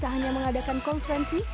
tidak hanya mengadakan konfensi